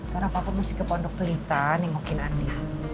karena papa mesti ke pondok pelita nih ngokin andin